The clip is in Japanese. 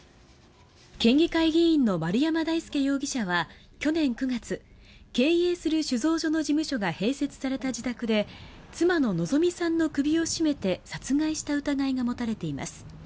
県議会議員の丸山大輔容疑者は去年９月経営する酒造所の事務所が併設された自宅で妻の希美さんの首を絞めて殺害した疑いが持たれています。